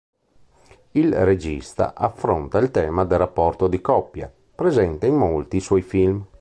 Il regista affronta il tema del rapporto di coppia, presente in molti suoi film.